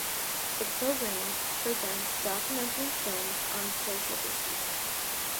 The program presents documentary films on social issues.